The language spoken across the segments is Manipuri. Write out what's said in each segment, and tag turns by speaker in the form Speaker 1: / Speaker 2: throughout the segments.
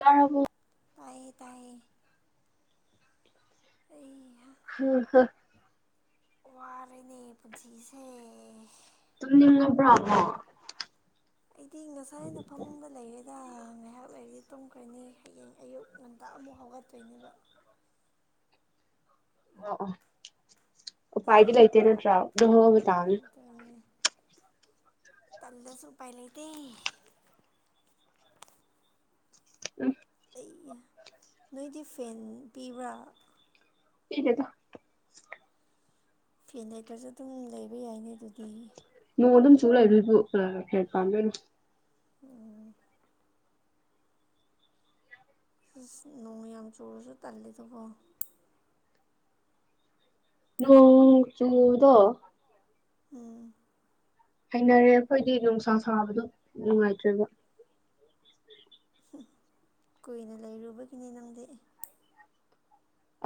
Speaker 1: ꯑꯣ
Speaker 2: ꯇ ꯇꯥꯏ ꯑꯩ
Speaker 1: ꯍꯝ ꯍꯝ
Speaker 2: ꯋꯥꯔꯅꯦ ꯄꯨꯟꯁꯤꯁꯦ
Speaker 1: ꯑꯗꯨꯝ ꯅꯤꯡꯉꯕ꯭ꯔꯣꯕꯣ
Speaker 2: ꯑꯩꯗꯤ ꯉꯁꯥꯏꯅ ꯐꯃꯨꯡꯗ ꯂꯩꯔꯦ ꯑꯗ ꯉꯥꯏꯍꯥꯛ ꯂꯩꯔꯤꯗꯤ ꯇꯨꯝꯈ꯭ꯔꯣꯏꯅꯤ ꯍꯌꯦꯡ ꯑꯌꯨꯛ ꯉꯟꯇꯥ ꯑꯃꯨꯛ ꯍꯧꯒꯠꯇꯣꯏꯅꯦꯕ
Speaker 1: ꯑꯣ ꯑ ꯑꯣ ꯐꯥꯏꯗꯤ ꯂꯩꯥꯏꯇꯦ ꯅꯠꯇ꯭ꯔꯥꯎ ꯍꯣ ꯍ ꯇꯥꯡ
Speaker 2: ꯇ ꯇꯜꯗꯁꯨꯄꯥꯥꯏ ꯂꯩꯇꯩ
Speaker 1: ꯎꯝ
Speaker 2: ꯅꯣꯏꯗꯤ ꯐꯦꯟ ꯄꯤꯕ꯭ꯔꯥ
Speaker 1: ꯌꯦꯗꯦꯗꯣ
Speaker 2: ꯐꯦꯟ ꯂꯩꯇ꯭ꯔꯁꯨ ꯑꯗꯨꯝ ꯂꯩꯕ ꯌꯥꯏꯅꯤ ꯑꯗꯨꯗꯤ
Speaker 1: ꯅꯣꯡ ꯑꯗꯨꯝ ꯆꯨ [unintelligible] ꯄꯥꯝꯗꯣꯏꯅꯣ
Speaker 2: ꯎꯝ ꯑꯁ ꯅꯣꯡ ꯌꯥꯝ ꯆꯨꯔꯁꯨ ꯇꯜꯂꯦꯗꯀꯣ
Speaker 1: ꯅꯣꯡ ꯆꯨꯗꯣ
Speaker 2: ꯎꯝ
Speaker 1: ꯍꯩꯅꯔꯦ ꯑꯩꯈꯣꯏꯗꯤ ꯅꯨꯡꯁꯥ ꯁꯥꯕꯗꯣ ꯅꯨꯡꯉꯥꯏꯇ꯭ꯔꯦꯕ
Speaker 2: ꯀꯨꯏꯅ ꯂꯩꯔꯨꯕꯒꯤꯅꯤ ꯅꯪꯗꯤ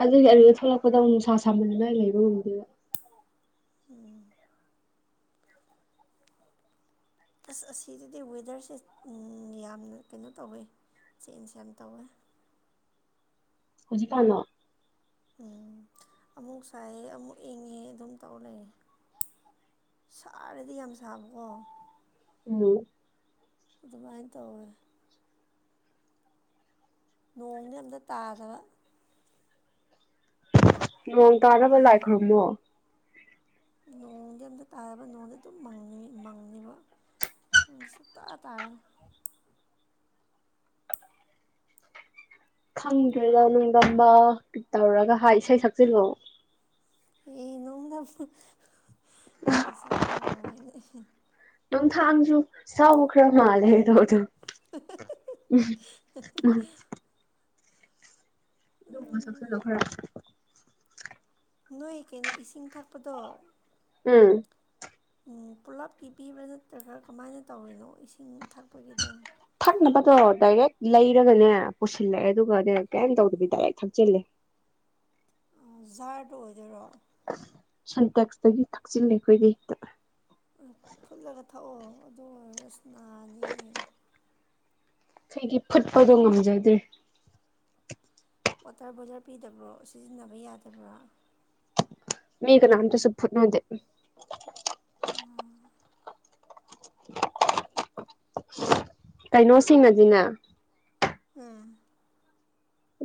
Speaker 1: ꯑꯗꯨꯒꯤ ꯑꯗ ꯊꯣꯛꯂꯛꯄꯗ ꯑꯃꯨꯛ ꯅꯨꯡꯁꯥ ꯁꯥꯃꯟꯗꯅ ꯂꯩꯕ ꯉꯝꯗꯦꯕ
Speaker 2: ꯎꯝ ꯑꯁ ꯑꯁꯤꯗꯗꯤ ꯋꯦꯗꯔꯁꯦ ꯌꯥꯝꯅ ꯀꯩꯅꯣ ꯇꯧꯋꯦ ꯆꯦꯟꯖ ꯌꯥꯝ ꯇꯧꯋꯦ
Speaker 1: ꯍꯧꯖꯤꯛꯀꯥꯟꯂꯣ
Speaker 2: ꯎꯝ ꯑꯃꯨꯛ ꯁꯥꯏꯑꯪ ꯑꯃꯨꯛ ꯏꯪꯉꯦ ꯑꯗꯨꯝ ꯇꯧ ꯂꯩꯑꯦ ꯁꯥꯔꯗꯤ ꯌꯥꯝ ꯁꯥꯕꯀꯣ
Speaker 1: ꯎꯝ
Speaker 2: ꯑꯗꯨꯃꯥꯏꯅ ꯇꯧꯋꯦ ꯅꯣꯡꯗꯤ ꯑꯝꯇ ꯇꯥꯗꯕ
Speaker 1: ꯅꯣꯡ ꯇꯥꯅꯕ ꯂꯥꯏꯈꯨꯔꯝꯃꯣ
Speaker 2: ꯅꯣꯡꯗꯤ ꯑꯝꯇ ꯇꯥꯔꯕ ꯅꯣꯡꯗꯤ ꯑꯗꯨꯝ ꯃꯪꯉ ꯃꯪꯉꯕ ꯁꯨꯡꯇ ꯇꯥꯔꯔꯣꯏ
Speaker 1: ꯈꯪꯗ꯭ꯔꯦꯗ ꯅꯤꯡꯗꯝꯕ ꯑꯃ ꯇꯧꯔꯒ ꯍꯥꯏ ꯏꯁꯩ ꯁꯛꯆꯤꯜꯂꯛꯑꯣ
Speaker 2: ꯅꯣꯡꯗꯕꯨ ꯏꯁꯩ ꯁꯛꯄ [unintelligible]
Speaker 1: ꯅꯣꯡꯊꯥꯡꯁꯨ ꯁꯥꯎ ꯈꯔ ꯃꯥꯜꯂꯦ ꯇꯧꯕꯗꯣ [unintelligible] ꯑꯗꯨ ꯒꯨꯝꯕ ꯁꯛꯆꯤꯟꯂꯣ ꯈꯔ
Speaker 2: ꯅꯣꯏ ꯀꯩꯅꯣ ꯏꯁꯤꯡ ꯊꯛꯄꯗꯣ
Speaker 1: ꯎꯝ
Speaker 2: ꯄꯨꯂꯞꯀꯤ ꯄꯤꯕ꯭ꯔꯥ ꯅꯠꯇ꯭ꯔꯒ ꯀꯃꯥꯏꯅ ꯇꯧꯔꯤꯅꯣ ꯏꯁꯤꯡ ꯊꯛꯄꯒꯤꯗꯣ
Speaker 1: ꯊꯛꯅꯕꯗꯣ ꯗꯥꯏꯔꯦꯛ ꯂꯩꯔꯒꯅꯦ ꯄꯨꯁꯤꯜꯂꯛꯑꯦ ꯑꯗꯨꯒꯅꯦ ꯀꯩꯝ ꯇꯧꯗꯕꯤ ꯗꯥꯏꯔꯦꯛ ꯊꯛꯆꯤꯜꯂꯦ
Speaker 2: ꯖꯥꯔꯗꯣ ꯑꯣꯏꯗꯣꯏꯔꯣ
Speaker 1: ꯁꯟꯇꯦꯛꯁꯇꯒꯤ ꯊꯛꯆꯤꯂꯦ ꯑꯩꯈꯣꯏꯗꯤ ꯍꯦꯛꯇ
Speaker 2: ꯐꯨꯠꯂꯒ ꯊꯛꯑꯣ ꯑꯗꯨ ꯑꯣꯏꯔꯒ ꯑꯁ ꯅꯥꯅꯤꯌꯦ
Speaker 1: ꯑꯩꯈꯣꯏꯗꯤ ꯐꯨꯠꯄꯗꯣ ꯉꯝꯖꯗ꯭ꯔꯦ
Speaker 2: ꯋꯥꯇꯔ ꯕꯣꯏꯂꯔ ꯄꯤꯗꯕ꯭ꯔꯣ ꯁꯤꯖꯤꯟꯅꯕ ꯌꯥꯗꯕ꯭ꯔꯥ
Speaker 1: ꯃꯤ ꯀꯅꯥꯝꯇꯁꯨ ꯐꯨꯠꯅꯗꯦ
Speaker 2: [unintelligible]
Speaker 1: [unintelligible] ꯀꯩꯅꯣꯁꯤꯡꯅꯗꯤꯅ
Speaker 2: ꯎꯝ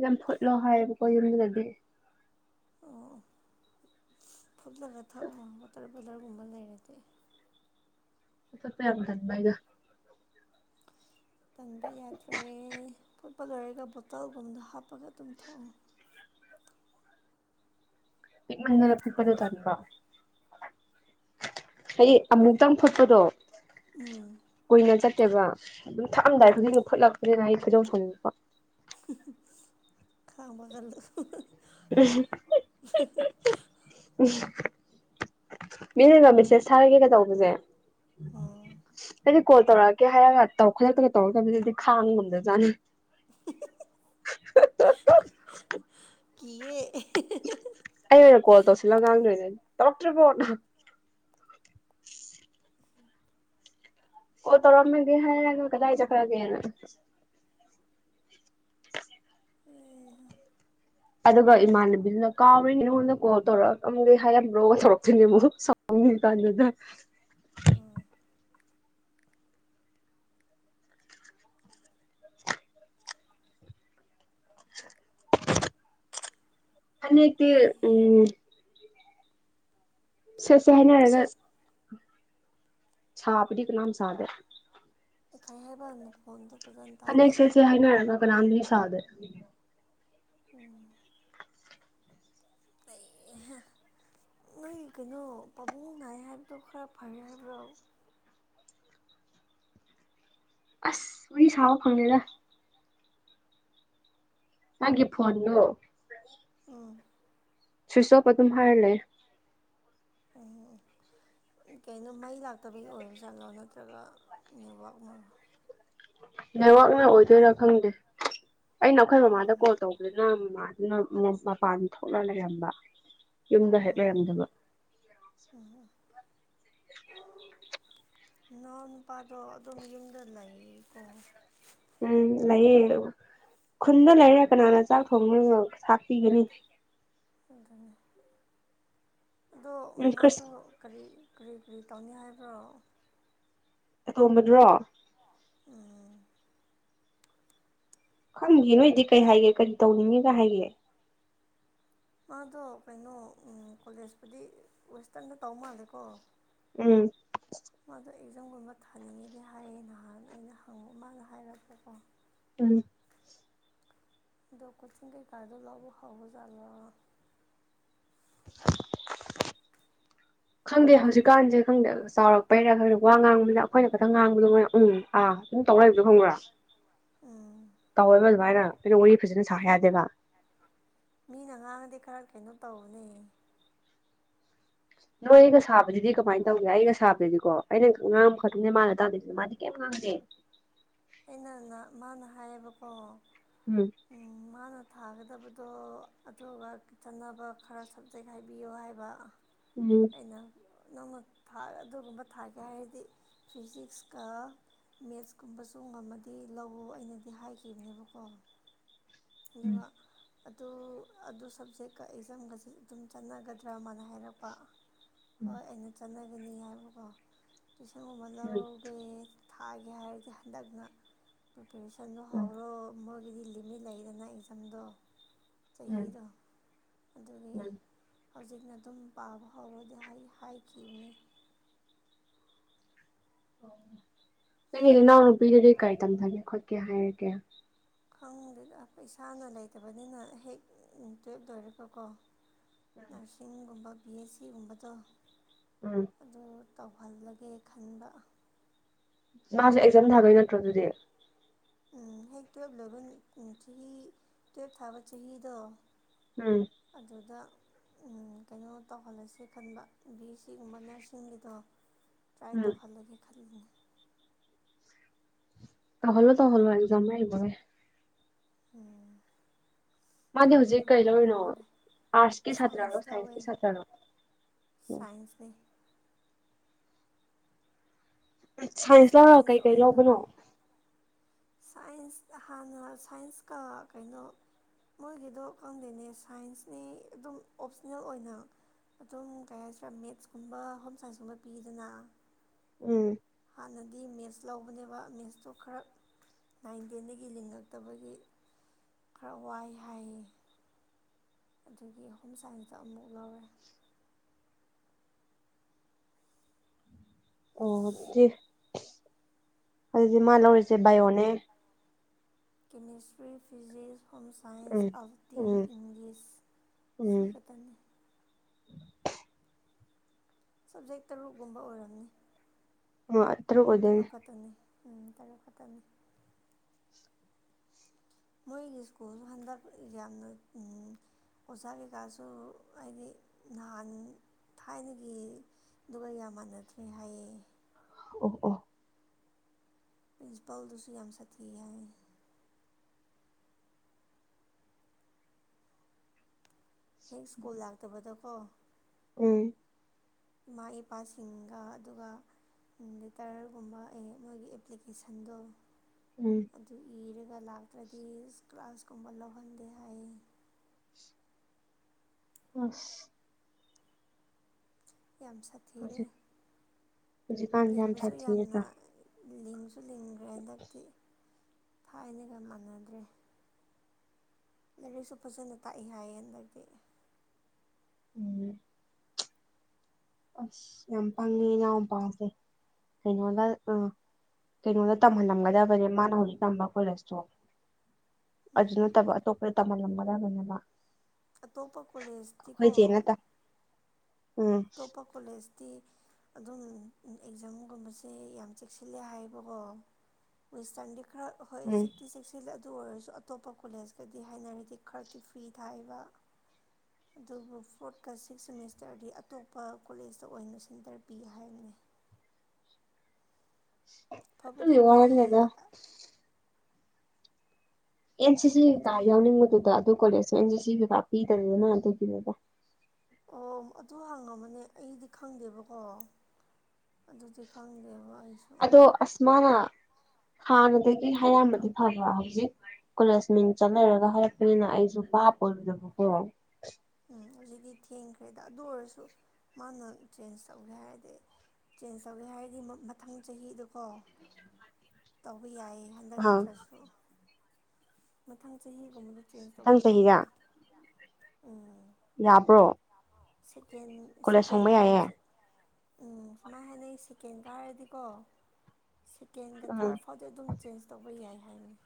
Speaker 1: ꯌꯥꯝ ꯐꯨꯠꯂꯣ ꯍꯥꯏꯌꯦꯕꯀꯣ ꯌꯨꯝꯗꯨꯗꯗꯤ
Speaker 2: ꯑꯣ ꯐꯨꯠꯂꯒ ꯊꯛꯑꯣ ꯋꯥꯇꯔ ꯕꯣꯏꯂꯔꯒꯨꯝꯕ ꯂꯩꯔꯗꯤ
Speaker 1: ꯆꯠꯄ ꯌꯥꯝ ꯇꯟꯕ ꯑꯩꯗꯣ
Speaker 2: ꯇꯟꯕ ꯌꯥꯗ꯭ꯔꯦ ꯐꯨꯠꯄ ꯂꯣꯏꯔꯒ ꯕꯣꯇꯜꯒꯨꯝꯕꯗꯣ ꯍꯥꯞꯄꯒ ꯑꯗꯨꯝ ꯊꯛꯑꯣ
Speaker 1: ꯄꯤꯛꯃꯟꯗꯅ ꯐꯨꯠꯄꯗꯣ ꯇꯟꯕ ꯍꯥꯏꯗꯤ ꯑꯃꯨꯛꯇꯪ ꯐꯨꯠꯄꯗꯣ
Speaker 2: ꯎꯝ
Speaker 1: ꯀꯨꯏꯅ ꯆꯠꯇꯦꯕ ꯑꯗꯨꯝ ꯊꯛꯑꯝꯗꯥꯏꯗꯨꯗꯤꯅ ꯐꯨꯠꯂꯛꯄꯅꯤꯅ ꯑꯩ ꯈꯣꯏꯗꯧ ꯁꯥꯎꯅꯤꯡꯕ
Speaker 2: [inaudible] ꯈꯥꯡꯕ ꯀꯟꯂꯣ [unintelligible]
Speaker 1: [inaudible] [inaudible] [unintelligible] ꯃꯤꯅꯦꯒ ꯃꯦꯁꯦꯁ ꯊꯥꯔꯒꯦꯒ ꯇꯧꯕꯁꯦ
Speaker 2: ꯎꯝ
Speaker 1: ꯑꯩꯗꯤ ꯀꯣꯜ ꯇꯧꯔꯛꯑꯒꯦ ꯍꯥꯏꯔꯒ ꯈꯨꯗꯛꯇꯒ ꯇꯧꯔꯛꯇꯖꯤꯗꯤ ꯈꯥꯡꯕ ꯉꯝꯗ ꯖꯥꯠꯅꯤ
Speaker 2: ꯀꯤꯌꯦ [unintelligible]
Speaker 1: ꯑꯩ ꯑꯣꯏꯅ ꯀꯣꯜ ꯇꯧꯁꯤꯜꯂ ꯉꯥꯡꯗꯣꯏꯅꯦ ꯇꯧꯔꯛꯇ꯭ꯔꯤꯕꯣ ꯀꯣꯜ ꯇꯧꯔꯝꯑꯝꯃꯦꯗꯤ ꯍꯥꯏꯔꯒ ꯀꯗꯥꯏ ꯆꯠꯈꯔꯒꯦꯅ ꯑꯗꯨꯒ ꯏꯃꯥꯟꯅꯕꯤꯗꯨꯅ ꯀꯥꯎꯔꯤꯅꯦ ꯅꯉꯣꯟꯗ ꯀꯣꯜ ꯇꯧꯔꯛꯑꯝꯒꯦ ꯍꯥꯏꯔꯝꯕ꯭ꯔꯣ ꯇꯧꯔꯛꯇꯣꯏꯅꯤ ꯃꯨꯛ ꯁꯥꯎ ꯁꯥꯎꯅꯤꯡꯉꯤ ꯀꯥꯟꯗꯨꯗ [inaudible] ꯐꯅꯦꯛꯇꯤ ꯎꯝ ꯁꯦꯠꯁꯤ ꯍꯥꯏꯅꯔꯒ
Speaker 2: ꯁꯦꯁ
Speaker 1: ꯁꯥꯄꯗꯤ ꯀꯅꯥꯝ ꯁꯥꯕꯔ
Speaker 2: [unintelligible] ꯇꯥꯗꯦ
Speaker 1: ꯐꯅꯦꯛ ꯁꯦꯠꯁꯤ ꯍꯥꯏꯅꯔꯒ ꯀꯅꯥꯝꯗꯤ ꯁꯥꯗꯦ
Speaker 2: ꯑꯩ ꯀꯩꯅꯣ ꯄꯥꯕꯨꯡ ꯅꯥꯏ ꯍꯥꯏꯕꯗꯣ ꯈꯔ ꯐꯔꯦ ꯍꯥꯏꯕ꯭ꯔꯣ
Speaker 1: ꯑꯁ ꯋꯔꯤ ꯁꯥꯕ ꯐꯪꯗꯦꯗ ꯅꯪꯒꯤ ꯐꯣꯟꯗꯣ
Speaker 2: ꯎꯝ
Speaker 1: ꯁ꯭ꯋꯤꯁ ꯑꯣꯐ ꯑꯗꯨꯝ ꯍꯥꯏꯔꯂꯩꯌꯦ
Speaker 2: ꯎꯝ ꯀꯩꯅꯣ ꯃꯩ ꯂꯥꯛꯇꯕꯒꯤ ꯑꯣꯏꯕ ꯖꯥꯠꯂꯣ ꯅꯠꯇ꯭ꯔꯒ ꯅꯦꯠꯋꯥꯛ ꯅ
Speaker 1: ꯅꯦꯠꯋꯥꯛꯅ ꯑꯣꯏꯗꯣꯏꯔꯥ ꯈꯪꯗꯦ ꯑꯩꯅ ꯑꯩꯈꯣꯏ ꯃꯃꯥꯗ
Speaker 2: ꯎꯝ ꯎꯝ
Speaker 1: ꯀꯣꯜ ꯇꯧꯕꯗꯨꯅ ꯃꯃꯥꯗꯨꯅ ꯃꯤꯟꯁ ꯃꯄꯥꯟ ꯊꯣꯛꯂ ꯂꯩꯔꯝꯕ ꯌꯨꯝꯗ ꯍꯦꯛ ꯂꯩꯔꯝꯗꯕ
Speaker 2: [unintelligible] ꯅꯪ ꯅꯨꯄꯥꯗꯣ ꯑꯗꯨꯝ ꯌꯨꯝꯗ ꯂꯩꯀꯣ
Speaker 1: ꯎꯝ ꯂꯩꯌꯦ ꯈꯨꯟꯗ ꯂꯩꯔ ꯀꯅꯥꯅ ꯆꯥꯛ ꯊꯣꯡꯂꯒ ꯊꯥꯛꯄꯤꯒꯅꯤ
Speaker 2: ꯑꯗꯨꯅꯦ ꯑꯗꯣ
Speaker 1: ꯎꯝ ꯈ꯭ꯔꯤꯁ
Speaker 2: ꯃꯥꯗꯣ ꯀꯔꯤ ꯀꯔꯤ ꯀꯔꯤ ꯇꯧꯅꯤ ꯍꯥꯏꯕ꯭ꯔꯣ
Speaker 1: ꯑꯇꯣꯝꯕꯗꯨꯔꯣ
Speaker 2: ꯎꯝ
Speaker 1: ꯈꯪꯗꯤꯌꯦ ꯅꯣꯏꯗꯤ ꯀꯩ ꯍꯥꯏꯒꯦ ꯀꯔꯤ ꯇꯧꯅꯤꯡꯉꯤꯒ ꯍꯥꯏꯒꯦ
Speaker 2: ꯃꯥꯗꯣ ꯀꯩꯅꯣ ꯎꯝ ꯀꯣꯂꯦꯖꯄꯨꯗꯤ ꯋꯦꯁꯇ꯭ꯔꯟꯗ ꯇꯧ ꯃꯥꯜꯂꯦꯀꯣ
Speaker 1: ꯎꯝ
Speaker 2: ꯃꯥꯗꯣ ꯑꯦꯛꯖꯥꯝꯒꯨꯝꯕ ꯊꯥꯅꯤꯡꯉꯦꯗꯤ ꯍꯥꯏꯌꯦ ꯅꯍꯥꯟ ꯑꯩꯅ ꯍꯪꯉꯣ ꯃꯥꯅ ꯍꯥꯏꯔꯛꯄꯀꯣ
Speaker 1: ꯎꯝ
Speaker 2: ꯑꯗꯣ ꯀꯣꯆꯤꯡ ꯀꯩꯀꯥꯗꯣ ꯂꯧꯕ ꯍꯥꯎꯔꯖꯠꯂꯣ
Speaker 1: ꯈꯪꯗꯦ ꯍꯧꯖꯤꯛꯀꯥꯟꯖꯦ ꯈꯪꯗꯦ ꯑꯗꯨ ꯆꯥꯎꯔꯛꯄꯩꯔꯥ ꯀꯩꯅꯣ ꯋꯥ ꯉꯥꯡꯕꯖꯤꯅ ꯑꯩꯈꯣꯏꯅ ꯈꯤꯇꯪ ꯉꯥꯡꯕꯗꯣ ꯃꯣꯏꯅ ꯎꯝ ꯑꯥ ꯎꯝ ꯇꯧꯂꯕꯗꯣ ꯈꯪꯕ꯭ꯔꯥ
Speaker 2: ꯎꯝ
Speaker 1: ꯇꯧꯋꯦꯕ ꯑꯗꯨꯃꯥꯏꯅ ꯑꯩꯈꯣꯏꯗꯣ ꯋꯥꯔꯤ ꯐꯖꯅ ꯁꯥ ꯌꯥꯗꯦꯕ
Speaker 2: ꯃꯤꯅ ꯉꯥꯡꯉꯗꯤ ꯈꯔ ꯀꯩꯅꯣ ꯇꯧꯒꯅꯤ
Speaker 1: ꯅꯣꯏꯒ ꯁꯥꯕꯗꯗꯤ ꯀꯃꯥꯏꯟ ꯇꯧꯒꯦ ꯑꯩꯒ ꯁꯥꯕꯗꯗꯤꯀꯣ ꯑꯩꯅ ꯉꯥꯡꯕ ꯈꯛꯇꯅꯦ ꯃꯥꯅ ꯇꯥꯗꯣꯏꯖꯤꯅ ꯃꯥꯗꯤ ꯀꯩꯝ ꯉꯥꯡꯗꯦ
Speaker 2: ꯑꯩꯅꯅ ꯃꯥꯅ ꯍꯥꯏꯌꯦꯕꯀꯣ
Speaker 1: ꯎꯝ
Speaker 2: ꯃꯥꯅ ꯊꯥꯒꯗꯕꯗꯣ ꯑꯗꯨꯒ ꯆꯅꯕ ꯈꯔ ꯁꯞꯖꯦꯛ ꯍꯥꯏꯕꯤꯌꯣ ꯍꯥꯏꯕ
Speaker 1: ꯎꯝ
Speaker 2: ꯅꯪ ꯅꯪꯅ ꯊꯥ ꯑꯗꯨꯒꯨꯝꯕ ꯊꯥꯒꯦ ꯍꯥꯏꯔꯗꯤ ꯐꯤꯖꯤꯛꯁꯀ ꯃꯦꯠꯁꯀꯨꯝꯕꯁꯨ ꯉꯝꯃꯗꯤ ꯂꯧꯋꯣ ꯑꯩꯅꯗꯤ ꯍꯥꯏꯈꯤꯕꯅꯦꯕꯀꯣ
Speaker 1: ꯎꯝ
Speaker 2: ꯑꯗꯨꯒ ꯑꯗꯨ ꯑꯗꯨ ꯁꯕꯖꯦꯛꯀ ꯑꯦꯛꯖꯥꯝꯒꯁꯤ ꯑꯗꯨꯝ ꯆꯠꯅꯒꯗ꯭ꯔꯥ ꯃꯥꯅ ꯍꯥꯏꯔꯛꯄ ꯍꯣꯏ ꯑꯩꯅ ꯆꯠꯅꯒꯅꯤ ꯍꯥꯏꯕꯀꯣ ꯇꯨꯏꯁꯟꯒꯨꯝꯕ
Speaker 1: ꯎꯝ
Speaker 2: ꯂꯧꯒꯦ ꯊꯥꯒꯦ ꯍꯥꯏꯔꯗꯤ ꯍꯟꯗꯛꯅ ꯄ꯭ꯔꯤꯄꯦꯔꯦꯁꯟꯗꯣ
Speaker 1: ꯎꯝ
Speaker 2: ꯍꯧꯔꯣ ꯃꯣꯏꯒꯤꯗꯤ ꯂꯤꯃꯤꯠ ꯂꯩꯗꯅ ꯑꯦꯛꯖꯥꯝꯗꯣ
Speaker 1: ꯎꯝ
Speaker 2: ꯆꯍꯤꯗꯣ ꯑꯗꯨꯒꯤ ꯍꯧꯖꯤꯛꯅ ꯑꯗꯨꯝ ꯄꯥꯕ ꯍꯧꯔꯣꯗꯤ ꯍꯥꯏ ꯍꯥꯏꯈꯤꯕꯅꯤ
Speaker 1: ꯑꯣ ꯅꯪꯒꯤ ꯅꯅꯥꯎꯅꯨꯄꯤꯗꯨꯗꯤ ꯀꯔꯤ ꯇꯝꯊꯒꯦ ꯈꯣꯠꯀꯦ ꯍꯥꯏꯔꯒꯦ
Speaker 2: ꯈꯪꯗꯦꯗ ꯄꯩꯁꯥꯅ ꯂꯩꯇꯕꯅꯤꯅ ꯍꯦꯛ ꯇꯨꯌꯦꯞ ꯂꯣꯏꯔꯒꯀꯣ ꯅꯔꯁꯤꯡꯒꯨꯝꯕ ꯕꯤ ꯑꯦꯁ ꯁꯤꯒꯨꯝꯕꯗꯣ
Speaker 1: ꯎꯝ
Speaker 2: ꯑꯗꯨ ꯇꯧꯍꯜꯂꯒꯦ ꯈꯟꯕ
Speaker 1: ꯃꯥꯁꯦ ꯑꯦꯛꯖꯥꯝ ꯊꯥꯕꯩ ꯅꯠꯇ꯭ꯔꯣ ꯑꯗꯨꯗꯤ
Speaker 2: ꯎꯝ ꯍꯦꯛ ꯇꯨꯌꯦꯜꯞ ꯂꯣꯏꯕ ꯆꯍꯤ ꯇꯨꯌꯦꯜꯞ ꯊꯥꯕ ꯆꯍꯤꯗꯣ
Speaker 1: ꯎꯝ
Speaker 2: ꯑꯗꯨꯗ ꯎꯝ ꯀꯩꯅꯣ ꯇꯧꯍꯜꯂꯁꯦ ꯈꯟꯕ ꯕꯤ ꯑꯦ ꯁꯤꯒꯨꯝꯕ ꯅꯔꯁꯁꯤꯡꯒꯤꯗꯣ ꯇ꯭ꯔꯥꯏ
Speaker 1: ꯎꯝ
Speaker 2: ꯇꯧꯍꯜꯂꯒꯦ ꯈꯜꯂꯤꯅꯦ
Speaker 1: ꯇꯧꯍꯜꯂꯣ ꯇꯧꯍꯜꯂꯣ ꯑꯦꯖꯝ ꯃꯌꯥ ꯌꯧꯕꯒ
Speaker 2: ꯎꯝ
Speaker 1: ꯃꯥꯗꯤ ꯍꯧꯖꯤꯛ
Speaker 2: ꯑꯗꯨꯅ
Speaker 1: ꯀꯩ
Speaker 2: ꯐꯥꯗꯧ
Speaker 1: ꯂꯧꯔꯤꯅꯣ
Speaker 2: ꯃꯥꯜꯂꯦ
Speaker 1: ꯑꯥꯔꯠꯁꯀꯤ ꯁꯥꯇ꯭ꯔꯔꯣ
Speaker 2: ꯁꯥꯏꯟꯁ ꯂꯧꯋꯦ
Speaker 1: ꯁꯥꯏꯟꯁꯀꯤ ꯁꯥꯇ꯭ꯔꯔꯣ
Speaker 2: ꯁꯥꯏꯟꯁꯅꯦ
Speaker 1: ꯁꯥꯏꯟꯁ ꯂꯧꯔ ꯀꯩ ꯀꯩ
Speaker 2: ꯑꯣꯏꯅ ꯂꯧꯔꯦ
Speaker 1: ꯂꯧꯕꯅꯣ
Speaker 2: ꯁꯥꯏꯟꯁ ꯍꯥꯟꯅ ꯁꯥꯏꯟꯁꯀ ꯀꯩꯅꯣ ꯃꯣꯏꯒꯤꯗꯣ ꯈꯪꯗꯦꯅꯦ ꯁꯥꯏꯟꯁꯅꯦ ꯑꯗꯨꯝ ꯑꯣꯞꯁꯅꯦꯜ ꯑꯣꯏꯅ ꯑꯗꯨꯝ ꯀꯩ ꯍꯥꯏꯁꯤꯔꯥ ꯃꯦꯠꯁꯀꯨꯝꯕ ꯍꯣꯝ ꯁꯥꯏꯟꯁꯀꯨꯝꯕ ꯄꯤꯗꯅ
Speaker 1: ꯎꯝ
Speaker 2: ꯍꯥꯟꯅꯗꯤ ꯃꯦꯠꯁ ꯂꯧꯕꯅꯦꯕ ꯃꯦꯠꯁꯇꯣ ꯈꯔ ꯅꯥꯏꯟ ꯇꯦꯟꯗꯒꯤ ꯂꯤꯡꯉꯛꯇꯕꯒꯤ ꯈꯔ ꯋꯥꯏ ꯍꯥꯏꯌꯦ ꯑꯗꯨꯒꯤ ꯍꯣꯝ ꯁꯥꯏꯟꯁꯇ ꯑꯃꯨꯛ ꯂꯧꯔꯦ
Speaker 1: [unintelligible] ꯑꯗꯨꯗꯤ ꯃꯥ ꯂꯧꯔꯤꯁꯦ ꯕꯥꯏꯌꯣꯅꯦ
Speaker 2: chemistry physics home science
Speaker 1: um
Speaker 2: ꯑꯕꯗꯤ
Speaker 1: ꯎꯝ
Speaker 2: ꯏꯪꯂꯤꯁ ꯁꯤ
Speaker 1: ꯎꯝ
Speaker 2: ꯈꯛꯇꯅꯤ ꯁꯕꯖꯦꯛ ꯇꯔꯨꯛꯒꯨꯝꯕ ꯑꯣꯏꯔꯝꯅꯤ
Speaker 1: ꯑꯣ
Speaker 2: ꯎꯝ
Speaker 1: ꯑꯣꯏꯗꯣꯏꯅꯦ
Speaker 2: ꯇꯔꯨꯛ ꯈꯛꯇꯅꯤ ꯎꯝ ꯇꯔꯨꯛ ꯈꯛꯇꯅꯤ ꯃꯣꯏꯒꯤ ꯁ꯭ꯀꯨꯜꯁꯨ ꯍꯟꯗꯛ ꯌꯥꯝꯅ ꯑꯣꯖꯥ ꯀꯩꯀꯥꯁꯨ ꯍꯥꯏꯗꯤ ꯅꯍꯥꯟ ꯊꯥꯏꯅꯒꯤ ꯗꯨꯒ ꯌꯥꯝ ꯃꯥꯟꯅꯗ꯭ꯔꯦ ꯍꯥꯏꯌꯦ
Speaker 1: ꯑꯣ ꯑꯣ
Speaker 2: ꯄ꯭ꯔꯤꯟꯁꯤꯄꯥꯜꯗꯨꯁꯨ ꯌꯥꯝ ꯁꯥꯊꯤ ꯍꯥꯏꯌꯦ ꯍꯦꯛ ꯁ꯭ꯀꯨꯜ ꯂꯥꯛꯇꯕꯗꯀꯣ
Speaker 1: ꯎꯝ
Speaker 2: ꯏꯃꯥ ꯏꯄꯥꯁꯤꯡꯒ ꯑꯗꯨꯒ ꯂꯦꯇꯔꯒꯨꯝꯕ ꯑꯦ ꯃꯣꯏꯒꯤ ꯑꯦꯄ꯭ꯂꯤꯀꯦꯁꯟꯗꯣ
Speaker 1: ꯎꯝ
Speaker 2: ꯑꯗꯨ ꯏꯔꯒ ꯂꯥꯛꯇ꯭ꯔꯗꯤ ꯀ꯭ꯂꯥꯁꯀꯨꯝꯕ ꯂꯧꯍꯟꯗꯦ ꯍꯥꯏꯌꯦ
Speaker 1: ꯑꯁ
Speaker 2: ꯌꯥꯝ ꯁꯥꯊꯤꯔꯦ
Speaker 1: ꯍꯧꯖꯤꯛ ꯍꯧꯖꯤꯛꯀꯥꯟꯁꯦ ꯌꯥꯝ
Speaker 2: ꯂꯤꯡꯕꯁꯨ ꯌꯥꯝꯅ
Speaker 1: ꯁꯥꯊꯤꯔꯗ꯭ꯔꯥ
Speaker 2: ꯂꯤꯡꯁꯨ ꯂꯤꯡꯈ꯭ꯔꯦ ꯍꯟꯗꯛꯇꯤ ꯊꯥꯏꯅꯒ ꯃꯥꯟꯅꯗ꯭ꯔꯦ ꯂꯥꯏꯔꯤꯛꯁꯨ ꯐꯖꯅ ꯇꯥꯛꯏ ꯍꯥꯏꯌꯦ ꯍꯟꯗꯛꯇꯤ
Speaker 1: ꯎꯝ ꯑꯁ ꯌꯥꯝ ꯄꯪꯉꯦ ꯏꯅꯥꯎꯄꯥꯁꯦ ꯀꯩꯅꯣꯅ ꯑꯥ ꯀꯩꯅꯣꯗ ꯇꯝꯍꯜꯂꯝꯒꯗꯕꯅꯦ ꯃꯥꯅ ꯍꯧꯖꯤꯛ ꯇꯝꯕ ꯀꯣꯂꯦꯁꯇꯣ ꯑꯖꯨ
Speaker 2: ꯎꯝ
Speaker 1: ꯅꯠꯇꯕ ꯑꯇꯣꯞꯄꯗ ꯇꯝꯍꯜꯂꯝꯒꯗꯕꯅꯦꯕ
Speaker 2: ꯑꯇꯣꯞꯄ ꯀꯣꯂꯦꯖꯇꯤꯀꯣ
Speaker 1: ꯑꯩꯈꯣꯏ ꯆꯦꯅ ꯇꯝ ꯎꯝ
Speaker 2: ꯇꯣꯞꯄ ꯀꯣꯂꯦꯖꯇꯤ ꯑꯗꯨꯝ ꯑꯦꯛꯖꯥꯝꯒꯨꯝꯕꯁꯦ ꯌꯥꯝ ꯆꯦꯛꯁꯤꯜꯂꯦ ꯍꯥꯏꯌꯦꯕꯀꯣ ꯋꯦꯏꯇꯟꯗꯤ ꯈ꯭ꯔ ꯍ‌ꯣꯏ
Speaker 1: ꯎꯝ
Speaker 2: ꯆꯤꯛꯇꯤ ꯆꯤꯛ ꯑꯗꯨ ꯑꯣꯏꯔꯁꯨ ꯑꯇꯣꯞꯄ ꯀꯣꯂꯦꯖꯀꯗꯤ ꯍꯥꯏꯅꯔꯤꯗꯤ ꯈꯔꯗꯤ ꯐ꯭ꯔꯤ ꯊꯥꯏꯕ ꯑꯗꯨꯕꯨ ꯐꯣꯔꯠꯀ ꯁꯤꯛꯁ ꯁꯦꯃꯤꯁꯇꯔꯗꯤ ꯑꯇꯣꯞꯄ ꯀꯣꯂꯦꯖꯇ ꯑꯣꯏꯅ ꯁꯦꯟꯇꯔ ꯄꯤ ꯍꯥꯏꯕꯅ‌ꯦ
Speaker 1: ꯑꯗꯨ
Speaker 2: ꯐꯕꯨꯗꯤ ꯐꯩꯌꯦ
Speaker 1: ꯋꯥꯅꯦꯗ ꯑꯦꯟꯁꯤꯁꯤ ꯀꯥ
Speaker 2: ꯑꯗꯨꯒꯤ
Speaker 1: ꯌꯥꯎꯅꯤꯡꯕꯗꯨꯗ ꯑꯗꯨ ꯀꯣꯂꯦꯖꯇ ꯑꯦꯟꯁꯤꯁꯤ ꯀꯥ ꯄꯤꯗꯕꯅꯤꯅ ꯑꯗꯨꯒꯤꯅꯤꯗ
Speaker 2: ꯑꯣ ꯑꯗꯨ ꯍꯪꯉꯝꯃꯅꯦ ꯑꯩꯗꯤ ꯈꯪꯗꯦꯕꯀꯣ ꯑꯗꯨꯗꯤ ꯈꯪꯗꯦꯕ ꯑꯩꯁꯨ
Speaker 1: ꯑꯗꯣ ꯑꯁ ꯃꯥꯅ ꯍꯥꯟꯅꯗꯒꯤ ꯍꯥꯏꯔꯛꯑꯝꯃꯗꯤ ꯐꯕ ꯍꯧꯖꯤꯛ ꯀꯣꯂꯦꯖ ꯃꯤꯡ ꯆꯟ ꯂ‌ꯣꯏꯔꯒ ꯍꯥꯏꯔꯛꯄꯅꯤꯅ ꯑꯩꯁꯨ ꯕꯥꯕ ꯑꯣꯏꯔꯨꯗꯕꯀꯣ
Speaker 2: ꯎꯝ ꯍꯧꯖꯤꯛꯇꯤ ꯊꯦꯡꯈ꯭ꯔꯦꯗ ꯑꯗꯨ ꯑꯣꯏꯔꯁꯨ ꯃꯥꯅ ꯆꯦꯟꯖ ꯇꯧꯒꯦ ꯍꯥꯏꯔꯗꯤ ꯆꯦꯟꯖ ꯇꯧꯒꯦ ꯍꯥꯏꯔꯗꯤ ꯃꯊꯪ ꯆꯍꯤꯗꯀꯣ ꯇꯧꯕ ꯌꯥꯏ ꯍꯥꯏ ꯍꯟꯗꯛ
Speaker 1: ꯑꯥ
Speaker 2: ꯅꯠꯇ꯭ꯔꯁꯨ ꯃꯊꯪ ꯆꯍꯤꯒꯨꯝꯕꯗ ꯆꯦꯟꯖ ꯇꯧꯕ
Speaker 1: ꯃꯊꯪ ꯆꯍꯤꯗ
Speaker 2: ꯌꯥꯏꯕ ꯎꯝ
Speaker 1: ꯌꯥꯕ꯭ꯔꯣ
Speaker 2: ꯁꯀꯦꯟ
Speaker 1: ꯀꯣꯂꯦꯖ ꯍꯣꯡꯕ ꯌꯥꯏꯌꯦ
Speaker 2: ꯁꯦꯀꯦꯟꯖ ꯎꯝ ꯁꯨꯃꯥꯏ ꯍꯥꯏꯅꯩ ꯁꯦꯀꯦꯟ ꯀꯥꯔꯗꯤꯀꯣ ꯁꯦꯀꯦꯟꯒ
Speaker 1: ꯎꯝ
Speaker 2: ꯊꯥꯔꯠ ꯐꯣꯗꯤ ꯑꯗꯨꯝ ꯆꯦꯟꯖ ꯇꯧꯕ ꯌꯥꯏ ꯍꯥꯏꯕꯅꯦ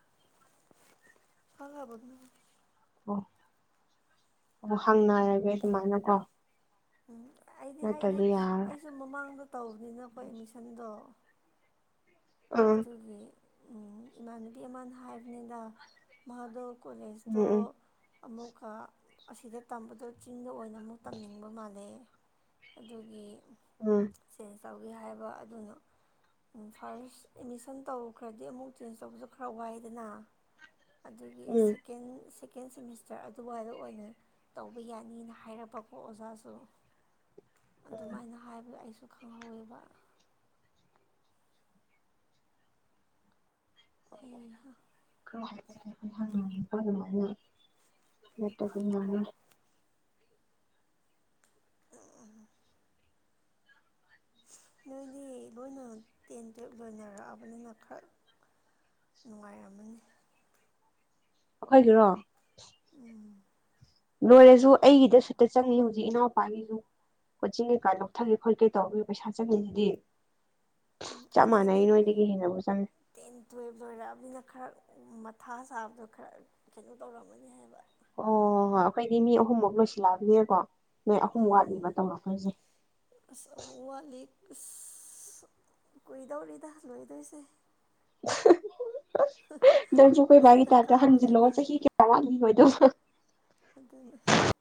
Speaker 2: [unintelligible]
Speaker 1: ꯑꯣ-ꯑꯣ ꯍꯪꯅꯔꯒꯦ ꯑꯗꯨꯃꯥꯏꯅ ꯀꯣ
Speaker 2: ꯎꯝ ꯑꯩꯗꯤ ꯍꯥꯏꯗꯤ
Speaker 1: ꯌꯥꯔꯔꯣꯏ
Speaker 2: ꯑꯩꯁꯨ ꯃꯃꯥꯡꯗ ꯇꯧꯕꯅꯤꯅꯀꯣ ꯑꯦꯠꯃꯤꯁꯟꯗꯣ
Speaker 1: ꯎꯝ
Speaker 2: ꯑꯗꯨꯒꯤ ꯏꯃꯥꯟꯅꯕꯤ ꯑꯃꯅ ꯍꯥꯏꯕꯅꯤꯅ ꯃꯗꯣ
Speaker 1: ꯎꯝ
Speaker 2: ꯀꯣꯂꯦꯖꯇꯣ
Speaker 1: ꯎꯝ
Speaker 2: ꯑꯃꯨꯛꯀ ꯑꯁꯤꯗ ꯇꯝꯕꯗꯣ ꯆꯤꯡꯗ ꯑꯣꯏꯅ ꯑꯃꯨꯛ ꯇꯝꯅꯤꯡꯕ ꯃꯥꯜꯂꯦ ꯑꯗꯨꯒꯤ
Speaker 1: ꯎꯝ
Speaker 2: ꯆꯦꯟꯖ ꯇꯧꯒꯦ ꯍꯥꯏꯕ ꯑꯗꯨꯅ ꯐꯥꯔꯁ ꯑꯦꯠꯃꯤꯁꯟ ꯇꯧꯈ꯭ꯔꯗꯤ ꯑꯃꯨꯛ ꯆꯦꯟꯖ ꯇꯧꯕꯁꯨ ꯈꯔ ꯋꯥꯏꯗꯅ ꯑꯗꯨꯒꯤ
Speaker 1: ꯎꯝ
Speaker 2: ꯁꯀꯦꯟ ꯁꯦꯀꯦꯟ ꯁꯦꯃꯤꯁꯇꯔ ꯑꯗꯨꯋꯥꯏꯗ ꯑꯣꯏꯅ ꯇꯧꯕ ꯌꯥꯅꯤꯅ ꯍꯥꯏꯔꯛꯄꯀꯣ ꯑꯣꯖꯥꯁꯨ
Speaker 1: ꯎꯝ
Speaker 2: ꯑꯗꯨꯃꯥꯏꯅ ꯍꯥꯏꯕ ꯑꯩꯁꯨ ꯈꯪꯍꯧꯋꯦꯕ ꯍ‌ꯦꯍꯥ
Speaker 1: [inaudible]
Speaker 2: ꯎꯝ ꯎꯝ ꯅꯣꯏꯗꯤ ꯂꯣꯏꯅ ꯇꯦꯟ ꯇꯨꯌꯦꯜꯞ ꯂꯣꯏꯅꯔꯛꯑꯕꯅꯤꯅ ꯈꯔ ꯅꯨꯡꯉꯥꯏꯔꯝꯃꯅꯤ
Speaker 1: ꯑꯩꯈꯣꯏꯒꯤꯔꯣ
Speaker 2: ꯎꯝ
Speaker 1: ꯂꯣꯏꯔꯁꯨ ꯑꯩꯒꯤꯗ ꯁꯨꯠꯇ ꯆꯪꯉꯤ ꯍꯧꯖꯤꯛ ꯏꯅꯥꯎꯄꯥꯒꯤꯁꯨ ꯀꯣꯆꯤꯡ ꯀꯩꯀꯥ ꯂꯧꯊꯒꯦ ꯈ‌ꯣꯠꯀ‌ꯦ ꯇꯧꯕꯗ ꯄꯩꯁꯥ ꯆꯪꯉꯤꯁꯤꯗꯤ ꯆꯞ
Speaker 2: ꯑꯩꯅ ꯍꯥꯏꯗꯤ
Speaker 1: ꯃꯥꯟꯅꯩ ꯅꯣꯏꯗꯒꯤ ꯍꯦꯟꯅꯕꯨ ꯆꯪꯉ‌ꯦ
Speaker 2: ꯇꯦꯟ ꯇꯨꯌꯦꯜꯕ ꯂꯣꯏꯔꯛꯑꯕꯅꯤꯅ ꯈꯔ ꯃꯊꯥ ꯁꯥꯕꯗꯣ ꯈꯔ ꯀꯩꯅꯣ ꯇꯧꯔꯝꯃꯅꯤ ꯍꯥꯏꯕ
Speaker 1: ꯑꯣ ꯍꯣꯏ ꯑꯩꯈꯣꯏꯗꯤ ꯃꯤ ꯑꯍꯨꯝꯃꯨꯛ ꯂꯣꯏꯁꯤꯜꯂꯛ ꯑꯕꯅꯤꯅꯀꯣ ꯅꯣꯏ ꯑꯍꯨꯝ
Speaker 2: ꯎꯝ
Speaker 1: ꯋꯥꯠꯂꯤꯕ ꯇꯝꯃꯛꯇ‌ꯣꯏꯁꯦ
Speaker 2: ꯑꯁ ꯑꯃ ꯋꯠꯂꯤ ꯑꯁ ꯑꯁ ꯀꯨꯏꯗꯧꯔꯤꯗ ꯂꯣꯏꯗꯣꯏꯁꯦ
Speaker 1: ꯅꯪꯁꯨ ꯀꯣꯏ ꯕꯥꯒꯤ
Speaker 2: ꯍꯧꯖꯤꯛꯇꯪ
Speaker 1: ꯇꯥꯏꯞꯇ
Speaker 2: ꯀꯥꯕꯗ
Speaker 1: ꯍꯟꯖꯤꯜꯂꯣꯑꯣ
Speaker 2: ꯉꯥꯏꯔꯤ
Speaker 1: ꯆꯍꯤ ꯀꯌꯥ ꯋꯥꯠꯂꯤꯕꯣꯏꯗꯣ
Speaker 2: ꯑꯗꯨꯅ‌ꯦ